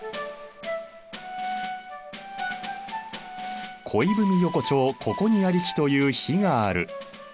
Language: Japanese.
「恋文横丁此処にありき」という碑がある。